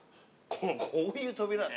このこういう扉ね。